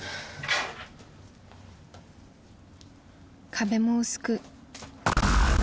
・［壁も薄く］